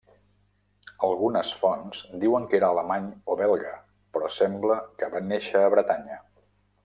Algunes fonts diuen que era alemany o belga, però sembla que va néixer a Bretanya.